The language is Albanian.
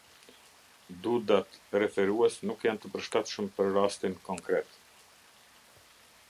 Dud-at referues nuk janë të përshtatshëm për rastin konkret.